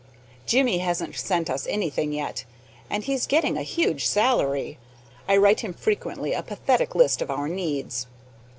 Jimmie hasn't sent us anything yet, and he's getting a huge salary. I write him frequently a pathetic list of our needs.